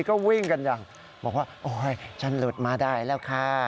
ก็วิ่งกันอย่างบอกว่าโอ๊ยฉันหลุดมาได้แล้วค่ะ